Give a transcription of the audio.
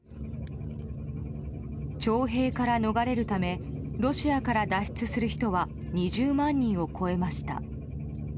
徴兵から逃れるためロシアから脱出する人は２０万人を超えました。